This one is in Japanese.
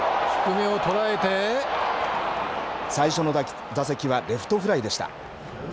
最初の打席はレフトフライでした。